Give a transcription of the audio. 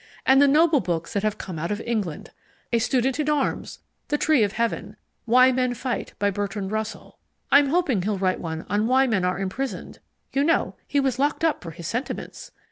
And the noble books that have come out of England: A Student in Arms; The Tree of Heaven; Why Men Fight, by Bertrand Russell I'm hoping he'll write one on Why Men Are Imprisoned: you know he was locked up for his sentiments!